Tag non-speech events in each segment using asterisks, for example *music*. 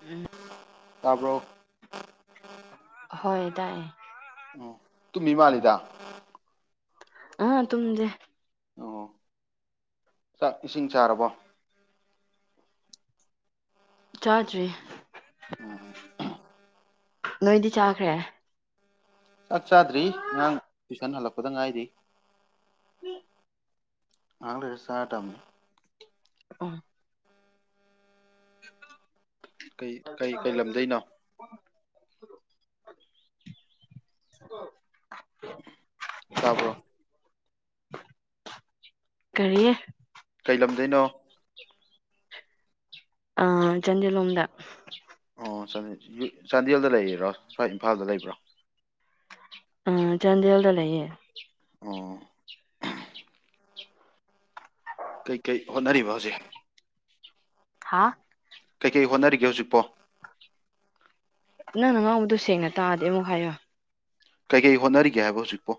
ꯎꯝ ꯇꯕ꯭ꯔꯣ ꯍꯣꯏ ꯇꯥꯏꯌꯦ ꯇꯨꯃꯤ ꯃꯤ ꯃꯥꯂꯤꯗ ꯑꯥ ꯇꯨꯃꯗꯦ ꯑꯣ ꯆꯥꯛ ꯏꯁꯤꯡ ꯆꯥꯔꯕꯣ ꯆꯥꯗꯔꯤ ꯑꯣ ꯅꯣꯏꯗꯤ ꯆꯥꯈ꯭ꯔꯦ ꯆꯥꯛ ꯆꯥꯗ꯭ꯔꯤ ꯑꯉꯥꯡ ꯇꯨꯏꯁꯟ ꯍꯜꯂꯛꯄꯗ ꯉꯥꯏꯔꯤ ꯉꯥꯏꯍꯥꯛ ꯂꯩꯔ ꯆꯥꯔꯗꯝꯅꯤ ꯎꯝ ꯀꯩ ꯀꯩ ꯀꯩ ꯂꯝꯗꯩꯅꯣ *unintelligible* ꯇꯥꯕꯔꯣ ꯀꯔꯤ ꯀꯩ ꯂꯝꯗꯩꯅꯣ ꯑꯥ ꯆꯟꯗꯦꯟ ꯂꯣꯝꯗ ꯑꯣ ꯆꯥꯟꯗꯦꯜ ꯆꯥꯟꯗꯦꯜꯗ ꯂꯩꯌꯤꯔꯣ ꯀꯥꯏ ꯏꯝꯐꯥꯜꯗ ꯂꯩꯕ꯭ꯔꯣ ꯑꯝ ꯆꯥꯟꯗꯦꯂꯗ ꯂꯩꯌꯦ ꯑꯣ ꯀꯩꯀꯩ ꯍꯣꯠꯅꯔꯤꯕ ꯍꯧꯖꯤꯛ ꯍꯥꯥ ꯀꯩꯀꯩ ꯍꯣꯠꯅꯔꯤꯒꯦ ꯍꯧꯖꯤꯛꯄꯣ ꯅꯪꯅ ꯉꯥꯡꯕꯗꯣ ꯁꯦꯡꯅ ꯇꯥꯗꯦ ꯑꯃꯨꯛ ꯍꯥꯏꯌꯣ ꯀꯩ ꯀꯩ ꯍꯣꯠꯅꯔꯤꯒꯦ ꯍꯥꯏꯕ ꯍꯧꯖꯤꯛꯄꯣ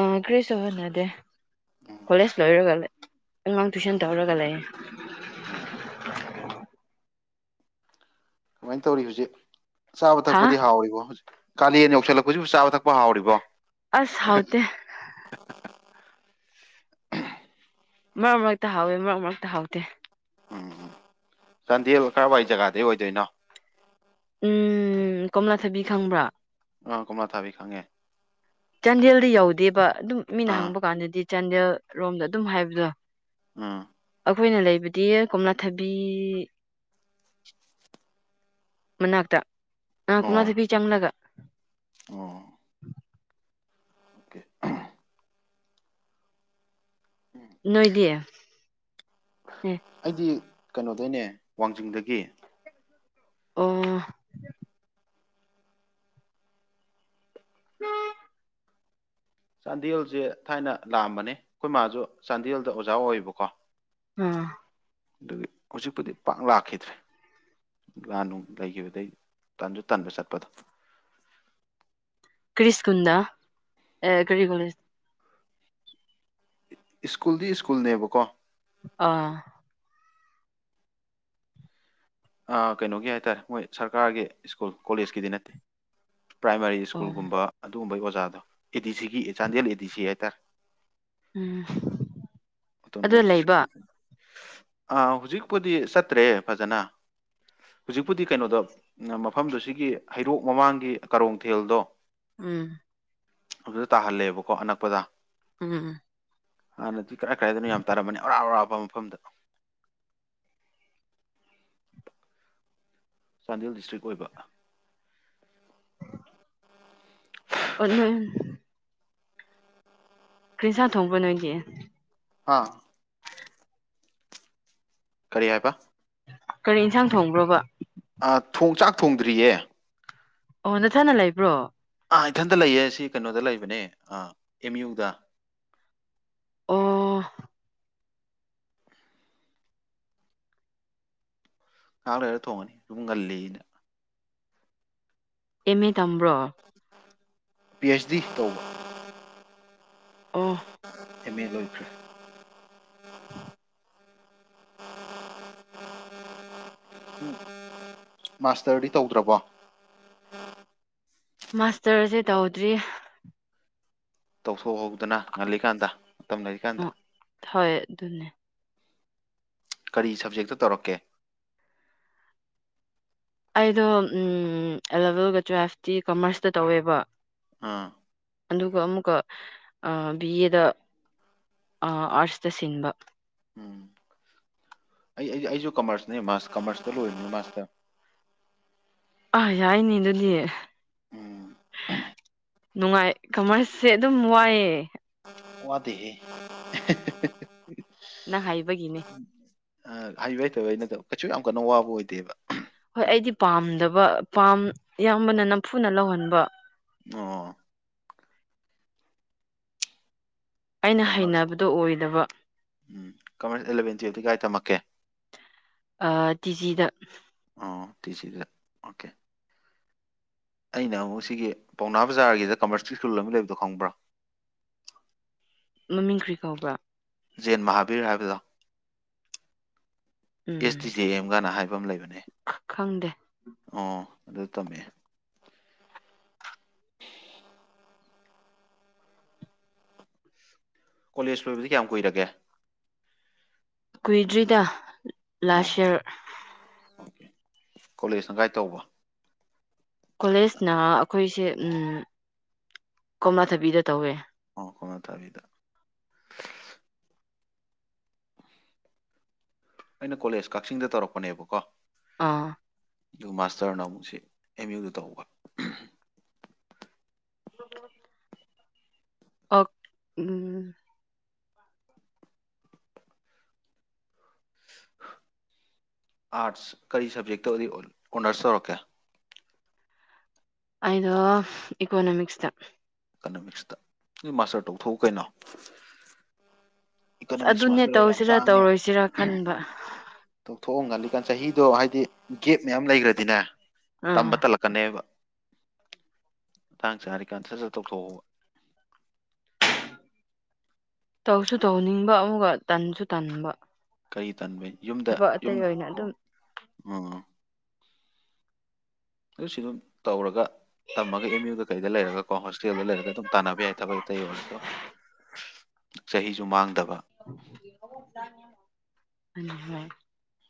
ꯑꯥ ꯀ꯭ꯔꯤꯁꯨ ꯍꯣꯠꯅꯗꯦ ꯀꯣꯂꯦꯖ ꯂꯣꯏꯔꯒ ꯑꯉꯥꯡ ꯇꯨꯏꯁꯟ ꯇꯧꯔꯒ ꯂꯩꯌꯦ *inaudible* ꯀꯃꯥꯏꯅ ꯇꯧꯔꯤ ꯍꯧꯖꯤꯛ ꯆꯥꯕ ꯍꯥ ꯊꯛꯄꯗꯤ ꯍꯥꯎꯔꯤꯕꯣ ꯍꯧꯖꯤꯛ ꯀꯥꯂꯦꯟ ꯌꯧꯁꯜꯂꯛꯄꯁꯤꯁꯨ ꯆꯥꯕ ꯊꯛꯄ ꯍꯥꯎꯔꯤꯕꯣ ꯑꯁ ꯍꯥꯎꯇꯦ ꯃꯔꯛ ꯃꯔꯛꯇ ꯍꯥꯎꯋꯦ ꯃꯔꯛ ꯃꯔꯛꯇ ꯍꯥꯎꯇꯦ ꯎꯝ ꯎꯝ ꯆꯥꯟꯗꯦꯜ ꯀꯔꯋꯥꯏ ꯖꯒꯥꯗꯩ ꯑꯣꯏꯗꯣꯏꯅꯣ ꯎꯝ ꯀꯣꯝꯂꯥꯊꯥꯕꯤ ꯈꯪꯕ꯭ꯔꯥ ꯑꯥ ꯀꯣꯝꯂꯊꯥꯕꯤ ꯈꯪꯉꯦ ꯆꯥꯟꯗꯦꯜꯗꯤ ꯌꯧꯗꯦꯕ ꯑꯗꯨꯝ ꯃꯤꯅ ꯑꯥ ꯍꯪꯕ ꯀꯥꯟꯗꯗꯤ ꯆꯥꯟꯗꯦꯜ ꯔꯣꯝꯗ ꯑꯗꯨꯝ ꯍꯥꯏꯕꯗꯣ ꯎꯝ ꯑꯩꯈꯣꯏꯅ ꯂꯩꯕꯗꯤ ꯀꯣꯝꯂꯥꯊꯥꯕꯤ ꯃꯅꯥꯛꯇ ꯅ ꯑꯣ ꯀꯣꯝꯂꯥꯊꯥꯕꯤ ꯆꯪꯂꯒ ꯑꯣ ꯑꯣꯀꯦ ꯅꯣꯏꯗꯤ ꯑꯦ ꯑꯩꯗꯤ ꯀꯩꯅꯣꯗꯩꯅꯦ ꯋꯥꯡꯖꯤꯡꯗꯒꯤ ꯑꯣ ꯎꯝ ꯆꯥꯟꯗꯦꯜꯁꯦ ꯊꯥꯏꯅ ꯂꯥꯛꯑꯝꯕꯅꯦ ꯑꯩꯈꯣꯏ ꯃꯥꯁꯨ ꯆꯥꯟꯗꯦꯜꯗ ꯑꯣꯖꯥ ꯑꯣꯏꯌꯦꯕꯀꯣ ꯑꯥ ꯑꯗꯨꯒꯤ ꯍꯧꯖꯤꯛꯄꯨꯗꯤ ꯄꯥꯛ ꯂꯥꯛꯈꯤꯗ꯭ꯔꯦ ꯂꯥꯟ ꯅꯨꯡ ꯂꯩꯈꯤꯕꯗꯩ ꯇꯟꯁꯨ ꯇꯟꯕ ꯆꯠꯄꯗꯣ ꯀ꯭ꯔꯤꯁꯀꯨꯟꯅꯦ ꯑꯦ ꯀꯔꯤ ꯀꯣꯂꯦꯁ ꯁ꯭ꯀꯨꯜꯗꯤ ꯁ꯭ꯀꯨꯜꯅꯦꯕꯀꯣ ꯑꯥ ꯀꯩꯅꯣꯒꯤ ꯍꯥꯏꯇꯥꯔꯦ ꯃꯣꯏ ꯁꯔꯀꯥꯔꯒꯤ ꯁ꯭ꯀꯨꯜ ꯀꯣꯂꯦꯁꯇꯤ ꯅꯠꯇꯦ ꯄ꯭ꯔꯥꯏꯃꯥꯔꯤ ꯑꯣ ꯁ꯭ꯀꯨꯜꯒꯨꯝꯕ ꯑꯗꯨꯒꯨꯝꯕꯒꯤ ꯑꯣꯖꯥꯗꯣ ꯑꯦ ꯗꯤ ꯁꯤꯒꯤ ꯆꯥꯟꯗꯦꯜ ꯑꯦ ꯗꯤ ꯁꯤ ꯍꯥꯏꯇꯥꯔꯦ ꯎꯝ ꯑꯗꯨ ꯂꯩꯕ ꯑꯥ ꯍꯧꯖꯤꯛꯄꯨꯗꯤ ꯆꯠꯇ꯭ꯔꯦ ꯐꯖꯅ ꯍꯧꯖꯤꯛꯄꯨꯗꯤ ꯀꯩꯅꯣꯗ ꯃꯐꯝꯗꯨ ꯁꯤꯒꯤ ꯍꯩꯔꯣꯛ ꯃꯃꯥꯡꯒꯤ ꯀꯔꯣꯡꯊꯦꯜꯗꯣ ꯎꯝ ꯑꯗꯨꯗ ꯇꯥꯍꯜꯂꯦꯕꯀꯣ ꯑꯅꯛꯄꯗ ꯎꯝ ꯍꯥꯟꯅꯗꯤ ꯀꯔꯥꯏ ꯀꯔꯥꯏꯗꯅꯣ ꯌꯥꯝ ꯇꯥꯔꯝꯕꯅꯤ ꯑꯔꯥꯞ ꯑꯔꯥꯞ ꯄꯥ ꯃꯐꯝꯗ ꯆꯥꯟꯗꯦꯜ ꯗꯤꯁꯇ꯭ꯔꯤꯛ ꯑꯣꯏꯕ ꯑꯣ ꯀ꯭ꯔꯤꯁꯥꯡ ꯊꯣꯡꯕ ꯅꯣꯏꯒꯤ ꯍꯥ ꯀꯔꯤ ꯍꯥꯏꯄ ꯀꯔꯤ ꯏꯟꯁꯥꯡ ꯊꯣꯡꯕ꯭ꯔꯕꯥ ꯑꯥ ꯊꯣꯡ ꯆꯥꯛ ꯊꯣꯡꯗ꯭ꯔꯤꯌꯦ ꯑꯣ ꯅꯊꯟꯗ ꯂꯩꯕ꯭ꯔꯣ ꯑꯥ ꯏꯊꯟꯇ ꯂꯩꯌꯦ ꯁꯤ ꯀꯩꯅꯣꯗ ꯂꯩꯕꯅꯦ ꯑꯥ ꯑꯦꯝ ꯌꯨꯗ ꯑꯣ ꯉꯍꯥꯛ ꯂꯩꯔ ꯊꯣꯡꯉꯅꯤ ꯁꯨꯝ ꯉꯜꯂꯤꯅ ꯑꯦꯝ ꯎ ꯇꯝꯕ꯭ꯔꯣ ꯄꯤ ꯑꯩꯆꯗꯤ ꯇꯧ ꯑꯣ ꯑꯦꯝ ꯑꯦ ꯂꯣꯏꯈ꯭ꯔꯦ *inaudible* *inaudible* ꯎ ꯃꯥꯁꯇꯔꯗꯤ ꯇꯧꯗ꯭ꯔꯕꯣ ꯃꯥꯁꯇꯔꯁꯦ ꯇꯧꯗ꯭ꯔꯤ ꯇꯧꯊꯣꯛꯍꯧꯗꯅ ꯉꯜꯂꯤꯀꯥꯟꯗ ꯃꯇꯝ ꯂꯩꯔꯤꯀꯥꯟꯗ ꯎꯝ ꯍꯣꯏ ꯑꯗꯨꯅꯦ ꯀꯔꯤ ꯁꯕꯖꯦꯛꯇ ꯇꯧꯔꯛꯀꯦ ꯑꯩꯗꯣ ꯎꯝ ꯑꯦꯂꯚꯦꯜꯒ ꯇꯨꯋꯦꯜꯐꯇꯤ ꯀꯃꯔꯁꯇ ꯇꯧꯋꯦꯕ ꯑꯥ ꯑꯗꯨꯒ ꯑꯃꯨꯛꯀ ꯕꯤ ꯑꯦꯗ ꯑꯥꯔꯠꯁꯇ ꯁꯤꯟꯕ ꯎꯝ ꯑꯩ ꯑꯩꯁꯨ ꯀꯃꯔꯁꯅꯦ ꯃꯥꯁ ꯀꯃꯔꯁꯇ ꯂꯣꯏꯔꯤꯅꯤ ꯃꯥꯁꯇꯔ ꯑꯥ ꯌꯥꯏꯅꯦ ꯑꯗꯨꯗꯤ ꯎꯝ ꯅꯨꯡꯉꯥꯏ ꯀꯃꯔꯁꯦ ꯑꯗꯨꯝ ꯋꯥꯏꯑꯦ ꯋꯥꯗꯦꯍꯦ ꯅꯪ ꯍꯥꯏꯕꯒꯤꯅꯦ ꯑ ꯍꯩꯕ ꯍꯩꯇꯕꯩ ꯅꯠꯇꯕ ꯀꯩꯁꯨ ꯌꯥꯝ ꯀꯟꯅ ꯋꯥꯕ ꯑꯣꯏꯗꯦꯕ ꯍꯣꯏ ꯑꯩꯗꯤ ꯄꯥꯝꯗꯕ ꯄꯥꯝ ꯏꯌꯥꯝꯕꯅ ꯅꯝꯐꯨꯅ ꯂꯧꯍꯟꯕ ꯑꯣ ꯑꯩꯅ ꯀꯃꯔꯁ ꯍꯩꯅꯕꯗꯣ ꯑꯣꯏꯗꯕ ꯎꯝ ꯀꯃꯔꯁ ꯑꯦꯂꯚꯦꯟ ꯇꯨꯋꯦꯜꯐꯇꯤ ꯀꯥꯏ ꯇꯝꯃꯛꯀꯦ ꯑꯥ ꯇꯤꯖꯤꯗ ꯑꯣ ꯇꯤꯖꯤꯗ ꯑꯣꯀꯦ ꯑꯩꯅ ꯑꯃꯨꯛ ꯁꯤꯒꯤ ꯄꯥꯎꯅꯥ ꯕꯖꯥꯔꯒꯤꯗ ꯀꯃꯔꯁ ꯀꯤ ꯁ꯭ꯀꯨꯜ ꯑꯃ ꯂꯩꯕꯗꯣ ꯈꯪꯕ꯭ꯔꯥ *inaudible* ꯃꯃꯤꯡ ꯀ꯭ꯔꯤ ꯀꯧꯕ꯭ꯔꯥ ꯖꯦꯟ ꯃꯍꯥꯕꯤꯔ ꯍꯥꯏꯕꯗꯣ ꯑꯦꯁ ꯇꯤ ꯎꯝ ꯑꯦꯝꯒꯅ ꯍꯥꯏꯕ ꯑꯃ ꯂꯩꯕꯅꯦ ꯈꯪꯗꯦ ꯑꯣ ꯑꯗꯨ ꯇꯝꯃꯑꯦ ꯀꯣꯂꯦꯖ ꯂꯣꯏꯕꯗꯤ ꯀꯌꯥꯝ ꯀꯨꯏꯔꯒꯦ ꯀꯨꯏꯗ꯭ꯔꯤꯗ ꯂꯥꯁ ꯑꯣ ꯏꯌꯥꯔ ꯀꯣꯂꯦꯖꯅ ꯒꯥꯏꯗ ꯇꯧꯕ ꯀꯣꯂꯦꯖꯅ ꯑꯩꯈꯣꯏꯁꯦ ꯎꯝ ꯀꯣꯝꯂꯥꯊꯕꯤꯗ ꯇꯧꯋꯦ ꯀꯣꯝꯂꯥꯊꯕꯤꯗ ꯑꯩꯅ ꯀꯣꯂꯦꯖ ꯀꯛꯆꯤꯡꯗ ꯇꯧꯔꯛꯄꯅꯦꯕꯀꯣ ꯑꯥ ꯑꯗꯨꯒ ꯃꯥꯁꯇꯔꯅ ꯑꯃꯨꯛ ꯁꯤ ꯑꯦꯝ ꯌꯨꯗ ꯇꯧꯕ *unintelligible* ꯑꯣ ꯎꯝ ꯑꯥꯔꯠꯁ ꯀꯔꯤ ꯁꯕꯖꯦꯛꯇ ꯑꯣꯏ ꯑꯣꯅꯔꯁ ꯇꯧꯔꯛꯀꯦ ꯑꯩꯗꯣ ꯏꯀꯣꯅꯣꯃꯤꯛꯁꯇ ꯏꯀꯅꯃꯤꯛꯁꯇ ꯃꯥꯁꯇꯔ ꯇꯧꯊꯣꯛꯎ ꯀꯩꯅꯣ ꯑꯁ ꯏꯀꯣꯅꯣꯃꯤꯛꯁ ꯑꯗꯨꯅꯦ ꯃꯥꯁꯇꯔ ꯌꯥꯝ ꯇꯧꯁꯤꯔꯥ ꯇꯥꯡꯉꯦ ꯇꯧꯔꯣꯏꯁꯤꯔꯥ ꯈꯟꯕ ꯇꯧꯊꯣꯛꯣ ꯉꯜꯂꯤ ꯀꯥꯟ ꯆꯍꯤꯗꯣ ꯍꯥꯏꯗꯤ ꯒꯦꯞ ꯃꯌꯥꯝ ꯂꯩꯈ꯭ꯔꯗꯤꯅꯦ ꯑꯥ ꯇꯝꯕ ꯇꯜꯂꯛꯀꯅꯦꯕ ꯃꯇꯥꯡ ꯆꯥꯔꯤ ꯀꯥꯟ ꯁꯠ ꯁꯠ ꯇꯧꯊꯣꯛꯍꯧꯕ *inaudible* ꯇꯧꯁꯨ ꯇꯧꯅꯤꯡꯕ ꯑꯃꯨꯛꯒ ꯇꯟꯁꯨ ꯇꯟꯕ ꯀꯔꯤ ꯇꯟꯕ ꯌꯨꯝꯗ ꯊꯕꯛ ꯌꯨꯝ ꯑꯇꯩ ꯑꯣꯏꯅ ꯑꯗꯨꯝ ꯎꯝ ꯑꯗꯨ ꯁꯤ ꯑꯗꯨꯝ ꯇꯧꯔꯒ ꯇꯝꯃꯒ ꯑꯦꯝ ꯌꯨꯗ ꯀꯩꯗ ꯂꯩꯔꯒ ꯀꯣ ꯍꯣꯁꯇꯦꯜꯗ ꯂꯩꯔꯒ ꯑꯗꯨꯝ ꯇꯥꯟꯅꯕ ꯌꯥꯏ ꯊꯕꯛ ꯑꯇꯩ ꯑꯣꯏꯔꯁꯨ ꯆꯍꯤꯁꯨ ꯃꯥꯡꯗꯕ *unintelligible*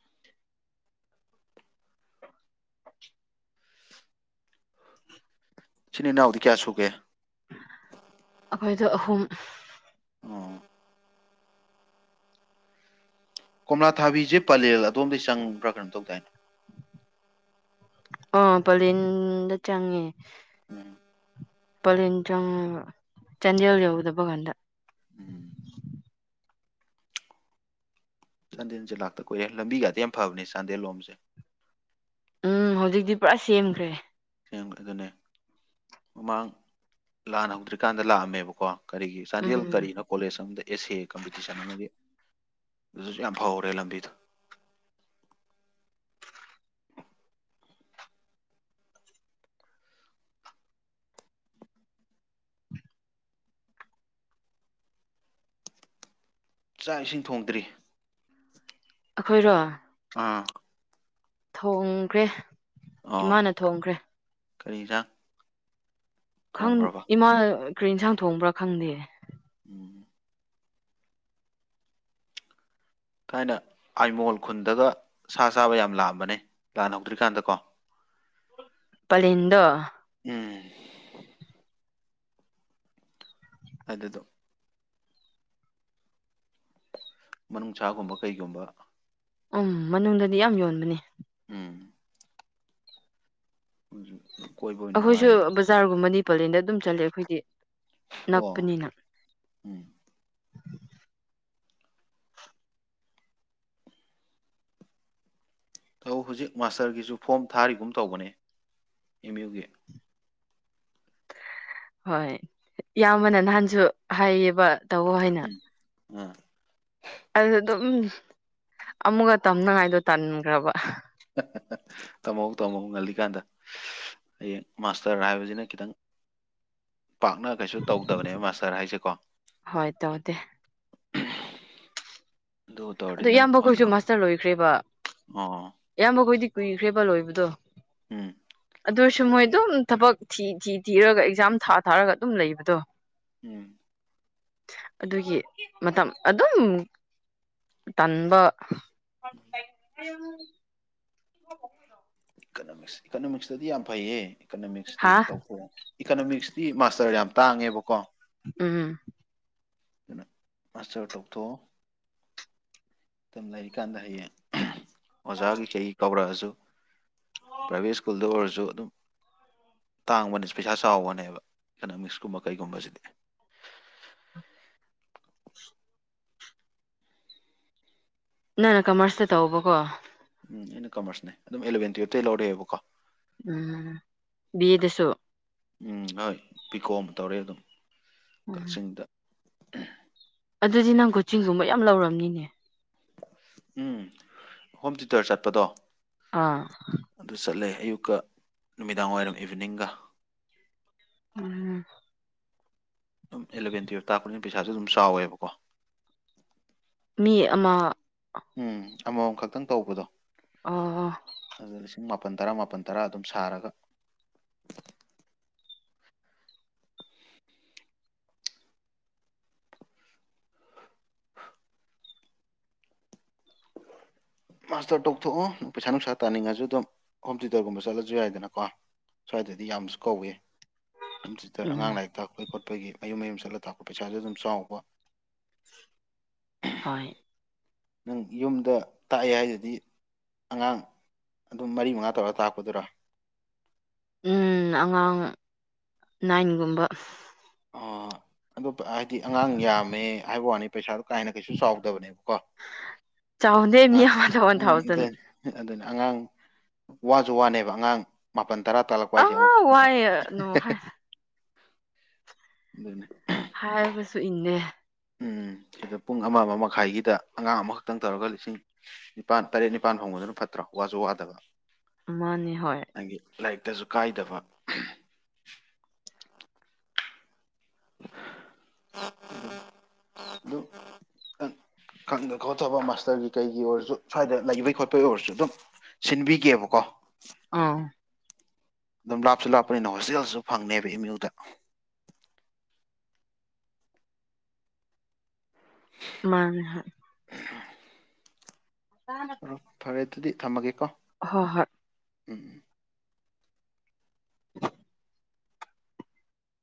*inaudible* ꯏꯆꯤꯟ ꯏꯅꯥꯎꯗꯤ ꯀꯌꯥ ꯁꯨꯒꯦ ꯑꯩꯈꯣꯏꯗꯣ ꯑꯍꯨꯝ ꯎꯝ ꯀꯣꯝꯂꯥ ꯊꯥꯕꯤꯁꯦ ꯄꯂꯦꯜ ꯑꯗꯣꯝꯗꯒꯤ ꯆꯪꯕ꯭ꯔꯥ ꯀꯩꯅꯣꯝ ꯇꯧꯗꯥꯏꯅꯦ ꯑꯥ ꯄꯂꯦꯟꯗ ꯆꯪꯉꯦ ꯎꯝ ꯄꯂꯦꯟ ꯆꯪꯡꯉꯒ ꯆꯥꯟꯗꯦꯜ ꯌꯎꯗꯕꯒꯟꯗ ꯎꯝ ꯆꯥꯟꯗꯦꯜꯁꯦ ꯂꯥꯛꯇ ꯀꯨꯏꯔꯦ ꯂꯝꯕꯤꯒꯗꯤ ꯌꯥꯝ ꯐꯕꯅꯦ ꯆꯥꯟꯗꯦꯜ ꯂꯣꯝꯁꯦ ꯎꯝ ꯍꯧꯖꯤꯛꯇꯤ ꯄꯨꯔꯥ ꯁꯦꯝꯈ꯭ꯔꯦ ꯁꯦꯝ ꯑꯗꯨꯅꯦ ꯃꯃꯥꯡ ꯂꯥꯟ ꯍꯧꯗ꯭ꯔꯤꯀꯥꯟꯗ ꯂꯥꯛꯑꯝꯃꯦꯕꯀꯣ ꯀꯔꯤꯒꯤ ꯆꯥꯟꯗꯦꯜ ꯎꯝ ꯀꯔꯤꯅꯣ ꯀꯣꯂꯦꯖ ꯑꯃꯗ ꯑꯦꯁ ꯑꯦ ꯀꯝꯄꯤꯇꯤꯁꯟ ꯑꯃꯒꯤ ꯑꯗꯨꯁꯨ ꯌꯥꯝ ꯐꯥꯍꯧꯔꯦ ꯂꯝꯕꯤꯗꯣ ꯆꯥꯛ ꯏꯁꯤꯡ ꯊꯣꯡꯗ꯭ꯔꯤ ꯑꯩꯈꯣꯏꯔꯣ ꯑꯥ ꯊꯣꯡꯈ꯭ꯔꯦ ꯑꯣ ꯏꯃꯥꯅ ꯊꯣꯡꯈ꯭ꯔꯦ ꯀꯔꯤ ꯏꯖꯥꯡ ꯈꯪ ꯏꯃꯥꯅ ꯀꯔꯤ ꯏꯟꯁꯥꯡ ꯊꯣꯡꯕ꯭ꯔꯥ ꯈꯪꯗꯦ ꯎꯝ ꯊꯥꯏꯅ ꯑꯥꯏꯃꯣꯜ ꯈꯨꯟꯗꯒ ꯁꯥ ꯆꯥꯕ ꯌꯥꯝ ꯂꯥꯛꯑꯝꯕꯅꯦ ꯂꯥꯟ ꯍꯧꯗ꯭ꯔꯤꯀꯥꯟꯗꯀꯣ *unintelligible* ꯄꯂꯤꯟꯗꯣ ꯎꯝ ꯑꯗꯨꯗꯣ ꯃꯅꯨꯡꯁꯥꯒꯨꯝꯕ ꯀꯩꯒꯨꯝꯕ ꯎꯝ ꯃꯅꯨꯡꯗꯗꯤ ꯌꯥꯝ ꯌꯣꯟꯕꯅꯦ ꯎꯝꯝ ꯑꯩꯈꯣꯏꯁꯨ ꯕꯖꯥꯔꯒꯨꯝꯕꯗꯤ ꯄꯂꯦꯟꯗ ꯑꯗꯨꯝ ꯆꯠꯂꯦ ꯑꯩꯈꯣꯏꯗꯤ ꯑꯣ ꯅꯛꯄꯅꯤꯅ ꯎꯝ ꯊꯧ ꯍꯧꯖꯤꯛ ꯃꯥꯁꯇꯔꯒꯤꯁꯨ ꯐꯣꯝ ꯊꯥꯔꯤꯒꯨꯝ ꯇꯧꯕꯅꯦ ꯑꯦꯝ ꯌꯨꯒꯤ ꯍꯣꯏ ꯏꯌꯥꯝꯕꯅ ꯅꯍꯥꯟꯁꯨ ꯍꯥꯏꯌꯦꯕ ꯇꯧꯋ ꯍꯥꯏꯅ ꯎꯝ ꯑꯥ ꯑꯗꯨ ꯑꯗꯨꯝ ꯑꯃꯨꯛꯒ ꯇꯝꯅꯉꯥꯏꯗꯣ ꯇꯟꯈ꯭ꯔꯕ ꯍꯥ ꯍꯥ ꯇꯝꯃꯍꯧ ꯇꯝꯃꯧ ꯉꯜꯂꯤꯀꯥꯟꯗ ꯍꯌꯦꯡ ꯃꯥꯁꯇꯔ ꯍꯥꯏꯕꯁꯤꯅ ꯈꯤꯇꯪ ꯄꯥꯛꯅ ꯀꯩꯁꯨ ꯇꯧꯗꯕꯅꯦꯕ ꯃꯥꯁꯇꯔ ꯍꯥꯏꯁꯦꯀꯣ ꯍꯣꯏ ꯇꯧꯗꯦ ꯑꯗꯨ ꯇꯧꯔꯗꯤ ꯑꯗꯣ ꯅꯪ ꯑꯣꯖꯥ ꯏꯌꯥꯝꯕꯈꯣꯏꯁꯨ ꯑꯣ ꯃꯥꯁꯇꯔ ꯂꯣꯏꯈ꯭ꯔꯦꯕ ꯏꯌꯥꯝꯕꯈꯣꯏꯗꯤ ꯀꯨꯏꯈ꯭ꯔꯦꯕ ꯂꯣꯏꯕꯗꯣ ꯎꯝ ꯑꯗꯨꯔꯁꯨ ꯃꯣꯏ ꯑꯗꯨꯝ ꯊꯕꯛ ꯊꯤ ꯊꯤ ꯊꯤꯔꯒ ꯑꯦꯛꯖꯥꯝ ꯊꯥ ꯊꯥꯔꯒ ꯑꯗꯨꯝ ꯂꯩꯕꯅꯦ ꯎꯝ ꯑꯗꯨꯒꯤ ꯃꯇꯝ ꯑꯗꯨꯝ ꯇꯟꯕ ꯎꯝ *unintelligible* ꯏꯀꯅꯣꯃꯤꯛꯁ ꯏꯀꯅꯣꯃꯤꯛꯁꯇꯗꯤ ꯌꯥꯝ ꯐꯩꯌꯦ ꯏꯀꯅꯣꯃꯤꯛꯁꯇꯤ ꯍꯥ ꯇꯧꯊꯣ ꯏꯀꯅꯣꯃꯤꯛꯁꯇꯤ ꯃꯥꯁꯇꯔ ꯌꯥꯝ ꯇꯥꯡꯉꯦꯕꯀꯣ ꯎꯝ ꯑꯗꯨꯅ ꯃꯁꯇꯔ ꯇꯣꯛꯊꯣꯛꯑꯣ ꯑꯗꯨꯝ ꯂꯩꯔꯤꯀꯥꯟꯗ ꯍꯌꯦꯡ ꯑꯣꯖꯥ ꯀꯈꯩ ꯀꯧꯔꯛꯑꯁꯨ ꯄ꯭ꯔꯥꯏꯚꯦꯠ ꯁ꯭ꯀꯨꯜꯗ ꯑꯣꯏꯔꯁꯨ ꯑꯗꯨꯝ ꯇꯥꯡꯕꯅꯤꯁꯨ ꯄꯩꯁꯥ ꯆꯥꯎꯕꯅꯦꯕ ꯏꯀꯅꯣꯃꯤꯛꯁꯀꯨꯝꯕ ꯀꯩꯒꯨꯝꯕꯁꯤꯗꯤ *inaudible* *inaudible* ꯅꯪ ꯀꯃꯔꯁꯇ ꯇꯧꯕꯀꯣ ꯎꯝ ꯑꯩꯅ ꯀꯃꯔꯁꯅꯦ ꯑꯗꯨꯝ ꯑꯦꯂꯚꯦꯟ ꯇꯨꯋꯜꯞꯇꯇꯩ ꯂꯧꯔꯛꯑꯦꯕꯀꯣ ꯎꯝ ꯕꯤ ꯌꯦ ꯗꯁꯨ ꯎꯝ ꯍꯣꯏ ꯄꯤꯀꯣ ꯑꯃ ꯇꯧꯔꯦ ꯑꯗꯨꯝ ꯎꯝ ꯀꯛꯆꯤꯡꯗ ꯑꯗꯨꯗꯤ ꯅꯪ ꯀꯣꯆꯤꯡꯒꯨꯝꯕ ꯌꯥꯝ ꯂꯧꯔꯝꯅꯤꯅꯦ ꯎꯝ ꯍꯣꯝ ꯊꯤꯇꯔ ꯆꯠꯄꯗꯣ ꯑꯥ ꯑꯗꯨ ꯆꯠꯂꯦ ꯑꯌꯨꯛꯀ ꯅꯨꯃꯤꯗꯥꯡ ꯋꯥꯏꯔꯝ ꯏꯚꯤꯅꯤꯡꯒ ꯎꯝꯝ ꯑꯗꯨꯝ ꯑꯦꯂꯚꯦꯟ ꯇꯨꯌꯦꯜꯞ ꯇꯥꯛꯄꯅꯤꯅ ꯄꯩꯁꯥꯁꯨ ꯑꯗꯨꯝ ꯆꯥꯎꯋꯦꯕꯀꯣ ꯃꯤ ꯑꯃ ꯎꯝ ꯑꯃꯃꯝ ꯈꯛꯇꯪ ꯇꯧꯕꯗꯣ ꯑꯣ ꯄꯨꯡ ꯃꯥꯄꯜ ꯇꯔꯥ ꯃꯥꯄꯜ ꯇꯔꯥ ꯑꯗꯨꯝ ꯁꯥꯔꯒ *inaudible* ꯍꯨ ꯃꯥꯁꯇꯔ ꯇꯣꯛꯊꯣꯛꯑꯣ ꯄꯩꯁꯥ ꯅꯨꯡꯁꯥ ꯇꯥꯅꯤꯡꯉꯁꯨ ꯑꯗꯨꯝ ꯍꯣꯝ ꯇ꯭ꯌꯨꯇꯔꯒꯨꯝꯕ ꯆꯠꯂꯁꯨ ꯌꯥꯏꯗꯅꯀꯣ ꯁ꯭ꯋꯥꯏꯗꯗꯤ ꯌꯥꯝꯁꯨ ꯀꯧꯏ ꯁ ꯁꯤꯗꯔ ꯑꯉꯥꯡ ꯎꯝ ꯂꯥꯏꯔꯤꯛ ꯇꯥꯛꯄ ꯈꯣꯠꯄ ꯑꯩꯈꯣꯏꯒꯤ ꯃꯌꯨꯝ ꯃꯌꯨꯝ ꯆꯠꯂ ꯇꯥꯛꯄ ꯄꯩꯁꯥꯁꯨ ꯑꯗꯨꯝ ꯆꯥꯎꯕ ꯍꯣꯏ ꯅꯪ ꯌꯨꯝꯗ ꯇꯥꯛꯑꯦ ꯍꯥꯏꯗꯨꯗꯤ ꯑꯉꯥꯡ ꯑꯗꯨꯝ ꯃꯔꯤ ꯃꯉꯥ ꯇꯧꯔꯒ ꯇꯥꯛꯄꯗꯨꯔ ꯎꯝ ꯑꯉꯥꯡ ꯅꯥꯏꯟꯒꯨꯝꯕ ꯑ ꯑꯗꯣ ꯍꯥꯏꯗꯤ ꯑꯉꯥꯡ ꯌꯥꯝꯃꯦ ꯍꯥꯏꯕ ꯋꯥꯅꯤ ꯄꯩꯁꯥꯗꯣ ꯀꯥꯏꯅ ꯀꯩꯁꯨ ꯆꯥꯎꯗꯕꯅꯦꯕꯀꯣ ꯆꯥꯎꯗꯦ ꯑ ꯃꯤ ꯑꯃꯗ ꯋꯥꯟ ꯎꯝ ꯊꯥꯎꯖꯟ ꯑꯗꯨ ꯑꯗꯨꯅꯤ ꯑꯉꯥꯡ ꯋꯥꯁꯨ ꯋꯥꯅꯦꯕ ꯑꯉꯥꯡ ꯃꯥꯄꯜ ꯇꯔꯥ ꯇꯥꯜꯂꯛꯄ ꯍꯥꯏꯁꯦ ꯑꯃꯨꯛ ꯑꯥ ꯋꯥꯏ ꯅꯣ ꯍꯥꯏ ꯑꯗꯨꯅꯤ ꯍꯥꯏꯕꯁꯨ ꯏꯟꯅꯦ ꯎꯝ ꯁꯤꯗ ꯄꯨꯡ ꯑꯃ ꯑꯃ ꯃꯈꯥꯏꯒꯤꯗ ꯑꯉꯥꯡ ꯑꯃꯈꯛꯇꯪ ꯇꯧꯔꯒ ꯂꯤꯁꯤꯡ ꯅꯤꯄꯥꯥꯟ ꯇꯔꯦꯠ ꯅꯤꯄꯥꯜ ꯐꯣꯡꯕꯗꯨꯅ ꯐꯠꯇ꯭ꯔꯣ ꯋꯥꯁꯨ ꯋꯥꯗꯕ ꯃꯥꯅꯦ ꯍꯣꯏ ꯅꯪꯒꯤ ꯂꯥꯏꯔꯤꯛꯇꯁꯨ ꯀꯥꯏꯗꯕ *inaudible* ꯈꯪꯗ ꯈꯣꯠꯇꯕ ꯃꯥꯁꯇꯔꯒꯤ ꯀꯩꯒꯤ ꯑꯣꯏꯔꯁꯨ ꯁ꯭ꯋꯥꯏꯗ ꯂꯩꯕꯩ ꯈꯣꯠꯄꯩ ꯑꯣꯏꯔꯁꯨ ꯑꯗꯨꯝ ꯁꯤꯟꯕꯤꯒꯦꯕꯀꯣ ꯑꯥ ꯑꯗꯨꯝ ꯂꯥꯞꯁꯨ ꯂꯥꯞꯄꯅꯤꯅ ꯍꯣꯁꯇꯦꯜꯁꯨ ꯐꯪꯅꯦꯕ ꯑꯝ ꯎ ꯗ ꯃꯥꯅꯦ ꯍ ꯑꯣ ꯐꯔꯦ ꯑꯗꯨꯗꯤ ꯊꯝꯃꯒꯦꯀꯣ ꯍꯣꯏ ꯍꯣꯏ ꯎꯝ